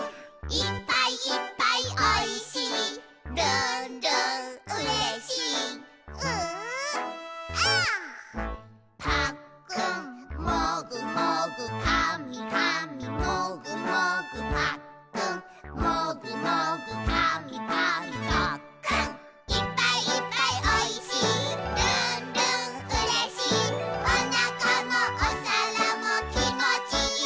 「いっぱいいっぱいおいしいるんるんうれしい」「おなかもおさらもきもちいい」